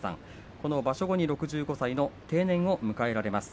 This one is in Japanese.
この場所後に６５歳の定年を迎えられます。